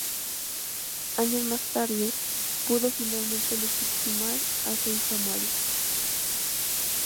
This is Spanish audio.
Años más tarde pudo finalmente legitimar a su hija, Mary.